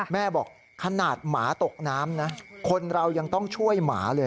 แม่บอกขนาดหมาตกน้ำนะคนเรายังต้องช่วยหมาเลย